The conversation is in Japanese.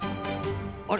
あれ？